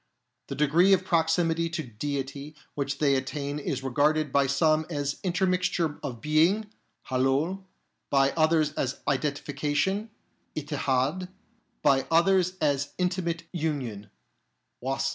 The degree of proximity to Deity which they attain is regarded by some as intermixture of being (haloul), by others as identification (ittihad), by others as intimate union (wasl).